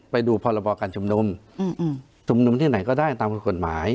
ไปดูพรบการชุมนุมชุมนุมที่ไหนก็ได้ตามกฎหมาย